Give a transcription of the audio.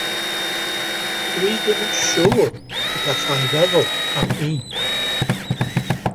Dwi ddim yn siŵr y gallai feddwl am un.